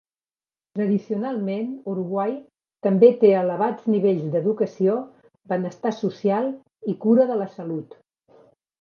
Tradicionalment, Uruguai també té elevats nivells d'educació, benestar social i cura de la salut.